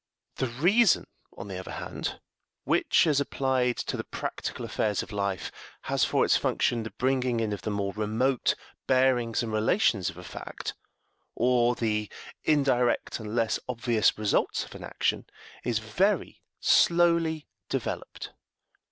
The reason, on the other hand, which, as applied to the practical affairs of life, has for its function the bringing in of the more remote bearings and relations of a fact, or the indirect and less obvious results of an action, is very slowly developed.